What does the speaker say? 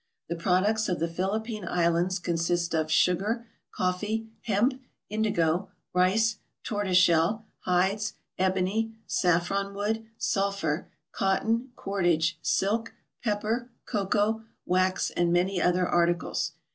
The products of the Philippine Islands consist of sugar, coffee, hemp, indigo, rice, tortoise shell, hides, ebony, saffron wood, sulphur, cotton, cordage, silk, pepper, cocoa, wax, and many other articles.